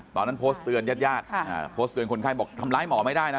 โพสต์เตือนญาติญาติโพสต์เตือนคนไข้บอกทำร้ายหมอไม่ได้นะ